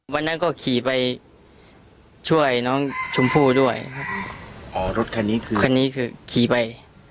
วันนั้นก็ขี่ไปช่วยน้องชมพู่ด้วยขนนี้ขี่ไป